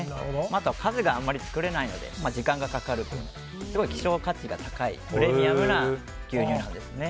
あとは数があまり作れないので時間がかかる分すごい希少価値が高いプレミアムな牛乳なんですね。